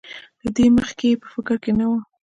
له دې مخکې یې په فکر کې نه وو.